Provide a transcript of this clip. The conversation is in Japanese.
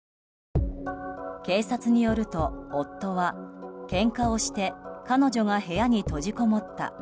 警察によると、夫はけんかをして彼女が部屋に閉じこもった。